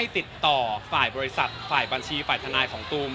ติดต่อฝ่ายบริษัทฝ่ายบัญชีฝ่ายทนายของตูม